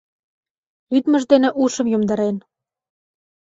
Лӱдмыж дене ушым йомдарен.